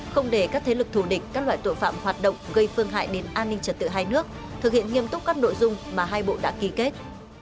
không để các thế lực thù địch các loại tội phạm hoạt động gây phương hại đến an ninh trật tự hai nước thực hiện nghiêm túc các nội dung mà hai bộ đã ký kết